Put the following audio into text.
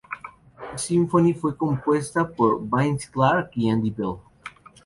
Symphony fue compuesta por Vince Clarke y Andy Bell.